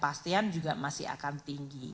kegagalan dari apbn kita sebagai shock absorber